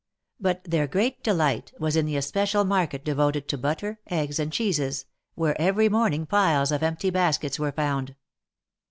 But their great delight, was in the especial market devoted to butter, eggs and cheeses, where every morning piles of empty baskets were found.